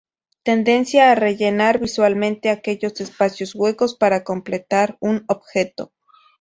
Tendencia a rellenar visualmente aquellos espacios huecos para completar un objeto.